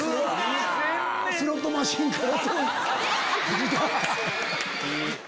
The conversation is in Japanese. スロットマシンから。